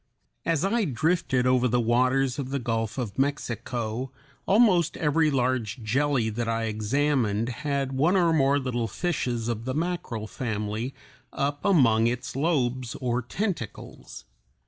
As I drifted over the waters of the Gulf of Mexico almost every large jelly that I examined had one or more little fishes of the mackerel family up among its lobes or tentacles.